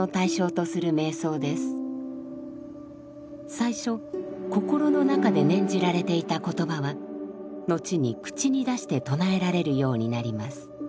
最初心の中で念じられていた言葉は後に口に出して唱えられるようになります。